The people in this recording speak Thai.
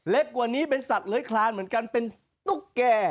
กว่านี้เป็นสัตว์เลื้อยคลานเหมือนกันเป็นตุ๊กแก่